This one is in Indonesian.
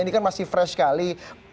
ini kan masih fresh sekali